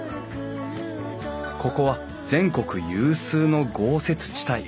ここは全国有数の豪雪地帯。